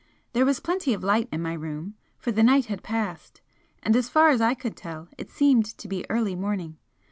There was plenty of light in my room for the night had passed, and as far as I could tell it seemed to be early morning.